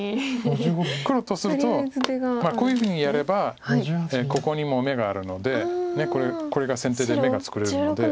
黒とするとこういうふうにやればここにも眼があるのでこれが先手で眼が作れるので。